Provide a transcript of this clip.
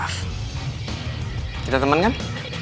kita temen kan